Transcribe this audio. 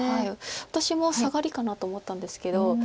私もサガリかなと思ったんですけど。